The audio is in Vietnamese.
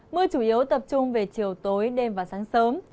mưa chủ yếu tập trung về chiều tối đêm và sáng sớm